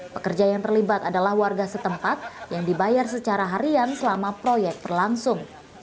pekerja yang terlibat adalah warga setempat yang dibayar secara harian selama proyek berlangsung